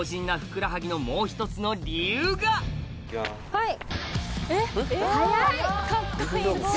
はい。